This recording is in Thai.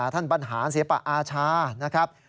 ท่านบรรหารเสียประอาชานะครับ